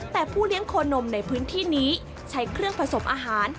แต่ผู้เลี้ยงโคนมในพื้นที่นี้ใช้เครื่องผสมอาหาร